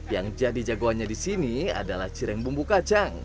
yang jadi jagoannya di sini adalah cireng bumbu kacang